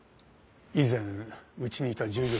以前うちにいた従業員です。